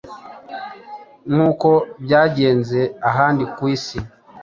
nkuko byagenze ahandi ku isi